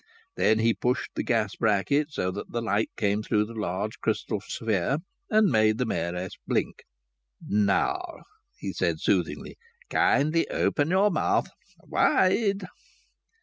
Then he pushed the gas bracket so that the light came through the large crystal sphere, and made the Mayoress blink. "Now," he said soothingly, "kindly open your mouth wide."